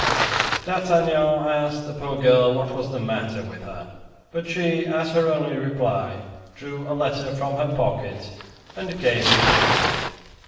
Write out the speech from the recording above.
D'Artagnan asked the poor girl what was the matter with her; but she, as her only reply, drew a letter from her pocket and gave it to him.